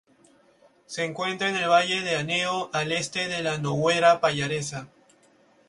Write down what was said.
Se encuentra en el valle de Aneo al este de la Noguera Pallaresa.